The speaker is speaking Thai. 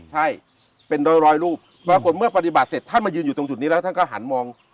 ใช่เป็นร้อยรูปปรากฏเมื่อปฏิบัติเสร็จท่านมายืนอยู่ตรงจุดนี้แล้วท่านก็หันมอง